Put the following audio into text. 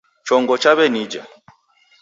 Chongo chawenija